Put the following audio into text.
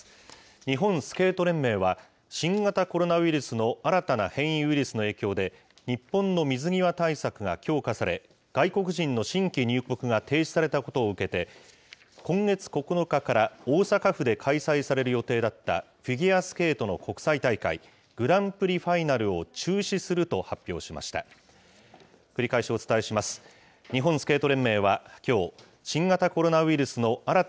日本スケート連盟は、新型コロナウイルスの新たな変異ウイルスの影響で、日本の水際対策が強化され、外国人の新規入国が停止されたことを受けて、今月９日から大阪府で開催される予定だった、フィギュアスケートの国際大会、グランプリファイナルを中止すると発表しました。